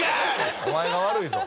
お前が悪いぞ。